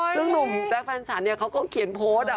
ซึ่งหนุ่มแจ๊คแฟนฉันเนี่ยเขาก็เขียนโพสต์